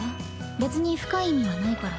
別に深い意味はないから。